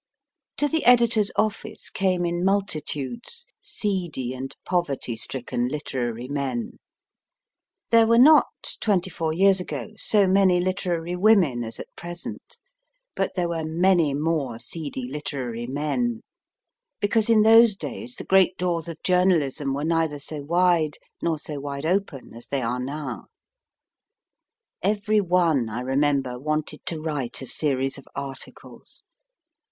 To the editor s office came in multitudes seedy and poverty stricken literary men ; there were not, twenty four years ago, so many literary women as at present, but there were many more seedy literary men, because in those days the great doors of journalism were neither so wide nor so wide open as they are now. Every one, I remember, wanted to write a series of articles.